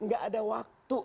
gak ada waktu